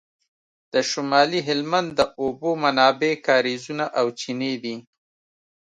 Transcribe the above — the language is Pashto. د شمالي هلمند د اوبو منابع کاریزونه او چینې دي